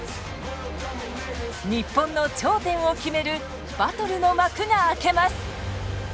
日本の頂点を決めるバトルの幕が開けます。